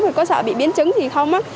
rồi có sợ bị biến chứng thì không